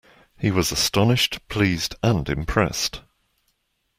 He was astonished, pleased and impressed.